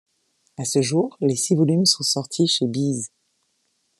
À ce jour, les six volumes sont sortis chez Beez.